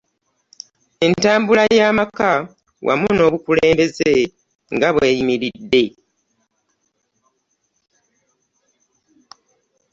Entambuza y'amaka wamu n'obukulembeze nga bw'eyimiridde